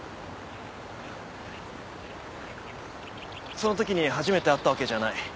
その時に初めて会ったわけじゃない。